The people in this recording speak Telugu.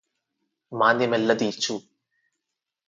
మాంద్యమెల్ల దీర్చు